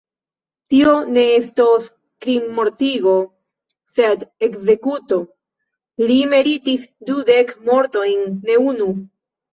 Tio ne estos krimmortigo, sed ekzekuto: li meritis dudek mortojn, ne unu.